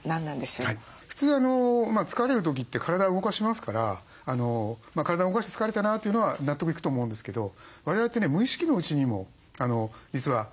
普通疲れる時って体を動かしますから体を動かして疲れたなというのは納得いくと思うんですけど我々ってね無意識のうちにも実はエネルギー使ってるんですね。